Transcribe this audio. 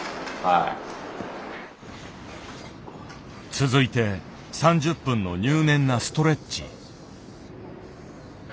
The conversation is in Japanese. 続いて３０分の入念なストレッチ。